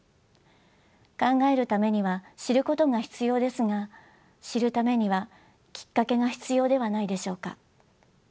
考えるためには知ることが必要ですが知るためにはきっかけが必要ではないでしょうか。